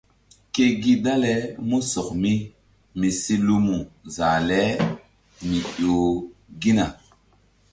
Ke gi dale músɔk mi mi si lumu zah le mi ƴo gina.